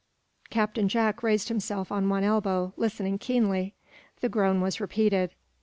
Captain Jack raised himself on one elbow, listening keenly. The groan was repeated.